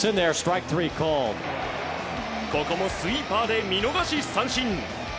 ここもスイーパーで見逃し三振！